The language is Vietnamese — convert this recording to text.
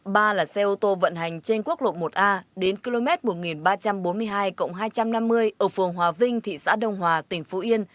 ba là xe ô tô vận hành trên quốc lộ một a đến km một nghìn ba trăm bốn mươi hai hai trăm năm mươi ở phường hòa vinh thị xã đông hòa tỉnh phú yên